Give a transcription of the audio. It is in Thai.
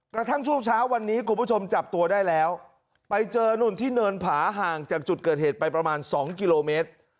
กระทั่งช่วงเช้าวันนี้คุณผู้ชมจับตัวได้แล้วไปเจอนู่นที่เนินผาห่างจากจุดเกิดเหตุไปประมาณ๒กิโลเมตร